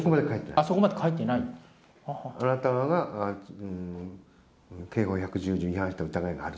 あなたが刑法１１０条に違反した疑いがある。